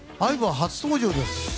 ＩＶＥは初登場です。